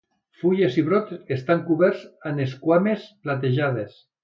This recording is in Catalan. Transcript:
Fulles i brots estan coberts amb esquames platejades.